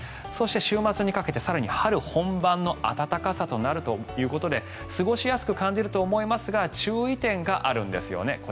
そして、週末にかけて更に春本番の暖かさになるということで過ごしやすく感じると思いますが注意点があるんですよね。